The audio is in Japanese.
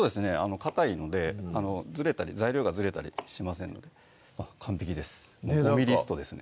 かたいので材料がずれたりしませんので完璧です